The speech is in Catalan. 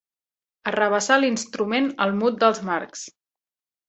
Arrabassar l'instrument al mut dels Marx.